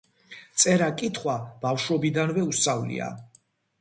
წერა-კითხვა ბავშვობაშივე უსწავლია.